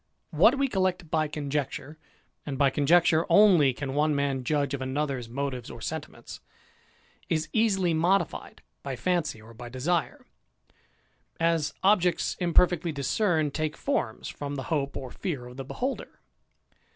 What we collect by conjecture, and by conjecture only can one man judge of another's motives or sentiments, is easily modified by fancy or by desire ; as objects imperfectly discerned take forms from the hope ot fear of the beholder.